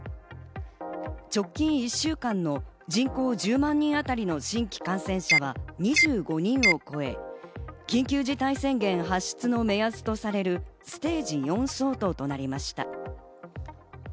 直近１週間の人口１０万人あたりの新規感染者は２５人を超え、緊急事態宣言発出の目安とされるステージ４相当となりました。